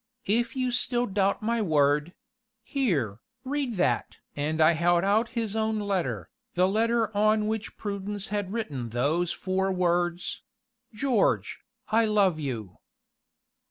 If you still doubt my word here, read that!" and I held out his own letter, the letter on which Prudence had written those four words: "George, I love you."